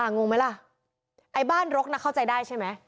งงไหมล่ะไอ้บ้านรกน่ะเข้าใจได้ใช่ไหม